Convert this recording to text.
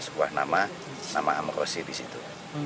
sebuah nama nama amorosi disitu